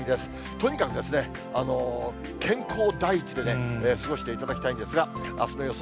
とにかくですね、健康第一でね、過ごしていただきたいんですが、あすの予想